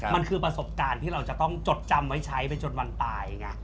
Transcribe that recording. มันคือประสบการณ์ที่เราจะต้องจดจำไว้ใช้ไปจนวันตายไง